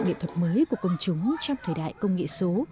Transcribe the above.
nghệ thuật mới của công chúng trong thời đại công nghệ số